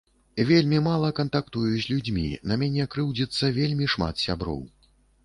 Вельмі мала кантактую з людзьмі, на мяне крыўдзіцца вельмі шмат сяброў.